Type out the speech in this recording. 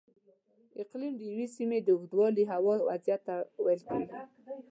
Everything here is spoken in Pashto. اقلیم د یوې سیمې د اوږدمهالې هوا وضعیت ته ویل کېږي.